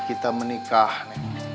kita menikah neng